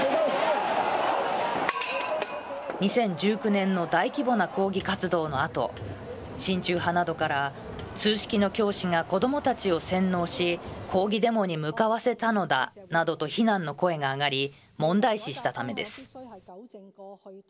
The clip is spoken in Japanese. ２０１９年の大規模な抗議活動のあと、親中派などから通識の教師が子どもたちを洗脳し、抗議デモに向かわせたなどと非難の声が上がり、問題視したためです。